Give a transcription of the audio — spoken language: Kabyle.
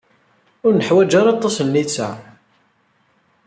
Ur neḥwaǧ ara aṭas n litteɛ.